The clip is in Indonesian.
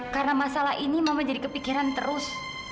karena masalah ini mama jadi kepikiran terus